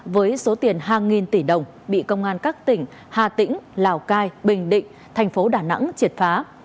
với số tiền hàng nghìn tỷ đồng bị công an các tỉnh hà tĩnh lào cai bình định thành phố đà nẵng triệt phá